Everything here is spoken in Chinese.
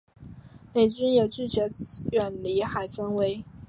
美军也拒绝远离海参崴。